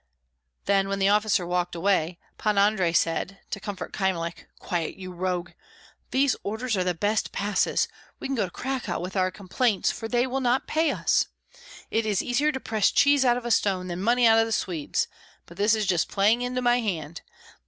Then, when the officer walked away, Pan Andrei said, to comfort Kyemlich, "Quiet, you rogue! These orders are the best passes; we can go to Cracow with our complaints, for they will not pay us. It is easier to press cheese out of a stone than money out of the Swedes. But this is just playing into my hand.